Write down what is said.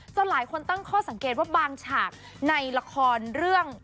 หลายคนตั้งข้อสังเกตว่าบางฉากในละครเรื่อง